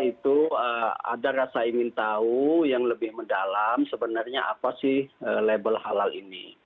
itu ada rasa ingin tahu yang lebih mendalam sebenarnya apa sih label halal ini